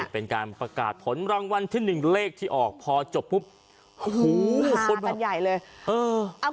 เป็นการประกาศผลรังวัลที่๑เลขที่ออกพอจบกันใหญ่เลย